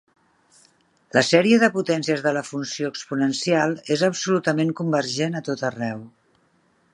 La sèrie de potències de la funció exponencial és absolutament convergent a tot arreu.